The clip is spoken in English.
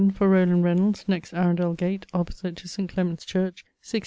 for Rowland Reynolds next Arundel gate opposite to St. Clements Church, 1676, stitch't, 4to.